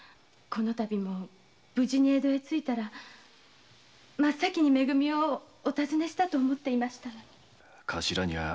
このたびも無事に江戸へ着いたら真っ先に「め組」をお尋ねしたと思っていましたのに。